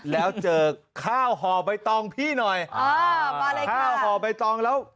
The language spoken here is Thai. แล้วเจอข้าวห่อใบตองพี่หน่อยเออมาเลยค่ะข้าวห่อใบตองแล้ว